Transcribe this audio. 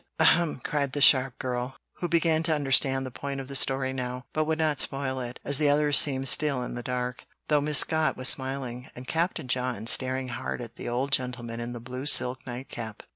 "Ahem!" cried the sharp girl, who began to understand the point of the story now, but would not spoil it, as the others seemed still in the dark, though Miss Scott was smiling, and Captain John staring hard at the old gentleman in the blue silk nightcap.